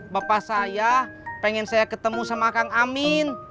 bapak saya pengen saya ketemu sama kang amin